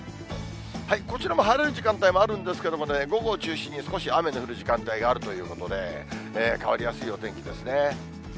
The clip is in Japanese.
こちらも晴れる時間帯もあるんですけれども、午後を中心に少し雨の降る時間帯があるということで、変わりやすいお天気ですね。